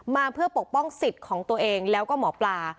มาเพื่อปกป้องสิทธิ์ของตัวเองแล้วก็หมอปลา